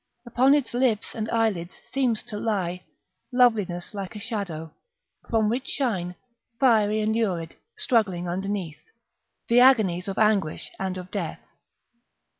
Upon its lips and eyelids seems to lie Loveliness like a shadow, from which shine, Fiery and lurid, struggling underneath, The agonies of anguish and of death.